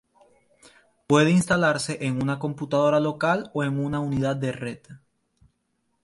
Puede instalarse en una computadora local o en una unidad de red.